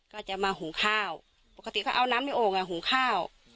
ก็จะมาหูข้าวปกติก็เอาน้ำไม่โอ่งไงหูข้าว